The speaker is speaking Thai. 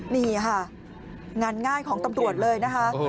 นี่ค่ะงานง่ายของตำรวจเลยนะคะ